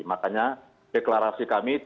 makanya deklarasi kami